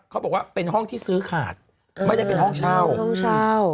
เขาบอกว่าเป็นห้องที่ซื้อขาดไม่ได้เป็นห้องเช่าห้องเช่า